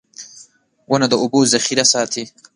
• ونه د اوبو ذخېره ساتي.